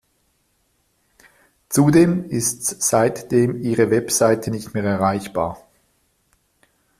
Zudem ist seitdem ihre Webseite nicht mehr erreichbar.